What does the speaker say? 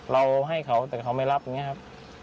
เราให้เขาแต่เขาไม่รับอย่างนี้ครับ